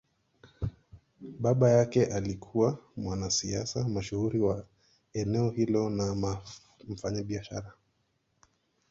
Baba yake alikuwa mwanasiasa mashuhuri wa eneo hilo na mfanyabiashara.